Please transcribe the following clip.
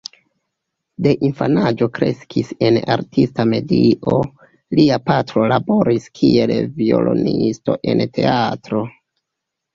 De infanaĝo kreskis en artista medio: lia patro laboris kiel violonisto en teatro.